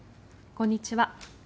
こんにちは。